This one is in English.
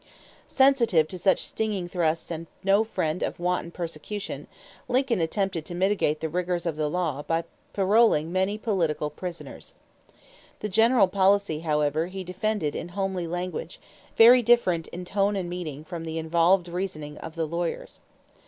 Sensitive to such stinging thrusts and no friend of wanton persecution, Lincoln attempted to mitigate the rigors of the law by paroling many political prisoners. The general policy, however, he defended in homely language, very different in tone and meaning from the involved reasoning of the lawyers.